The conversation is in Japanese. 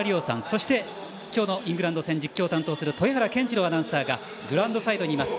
そして今日のイングランド戦実況を担当する豊原謙二郎アナウンサーがグラウンドサイドにいます。